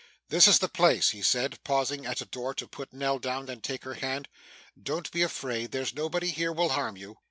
'This is the place,' he said, pausing at a door to put Nell down and take her hand. 'Don't be afraid. There's nobody here will harm you.